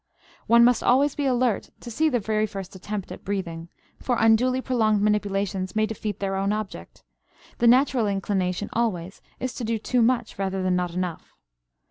One must always be alert to see the very first attempt at breathing, for unduly prolonged manipulations may defeat their own object; the natural inclination always is to do too much rather than not enough.